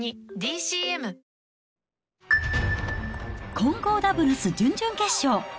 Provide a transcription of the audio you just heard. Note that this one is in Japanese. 混合ダブルス準々決勝。